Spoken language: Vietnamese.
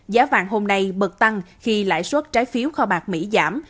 giá vàng hôm nay bật tăng khi lãi suất trái phiếu kho bạc mỹ giảm